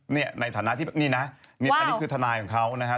ในฐานะที่นี่นะอันนี้คือทนายของเขานะฮะ